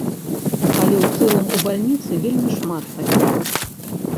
Але ў цэлым у бальніцы вельмі шмат такіх.